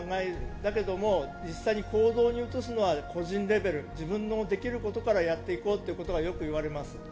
だけど、実際に行動に移すのは個人レベル自分のできることからやっていこうということがよく言われます。